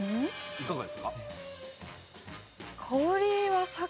いかがですか？